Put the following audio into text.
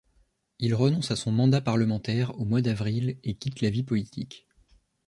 Il renonce à son mandat parlementaire au mois d'avril et quitte la vie politique.